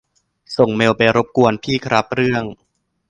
ส่งเมลไปรบกวนพี่ครับ เรื่อง